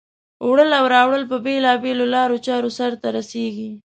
وړل او راوړل په بېلا بېلو لارو چارو سرته رسیږي.